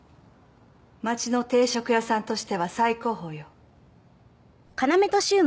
街の定食屋さんとしては最高峰よ。